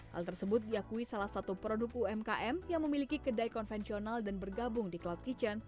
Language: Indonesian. hal tersebut diakui salah satu produk umkm yang memiliki kedai konvensional dan bergabung di cloud kitchen